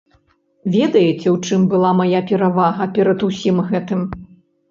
Ведаеце, у чым была мая перавага перад усім гэтым?